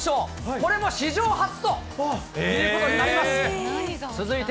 これも史上初ということになります。